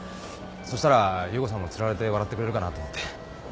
そしたら優子さんもつられて笑ってくれるかなと思って。